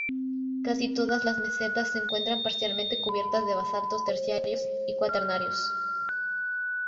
Casi todas las mesetas se encuentran parcialmente cubiertas de basaltos terciarios y cuaternarios.